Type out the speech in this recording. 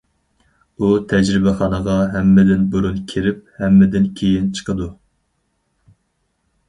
ئۇ تەجرىبىخانىغا ھەممىدىن بۇرۇن كىرىپ ھەممىدىن كېيىن چىقىدۇ.